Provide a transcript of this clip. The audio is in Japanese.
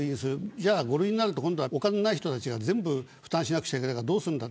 じゃあ５類になると今度はお金がない人たちが全部負担しなくちゃいけないからどうするんだと。